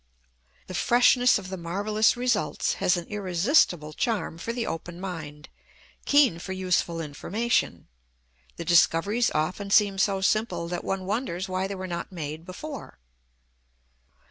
The freshness of the marvellous results has an irresistible charm for the open mind, keen for useful information. The discoveries often seem so simple that one wonders why they were not made before.